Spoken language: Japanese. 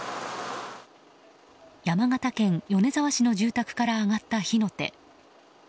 山形県米沢市の住宅から上がった火の手。